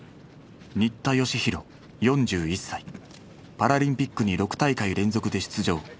パラリンピックに６大会連続で出場。